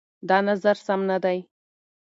دا نظر سم نه دی.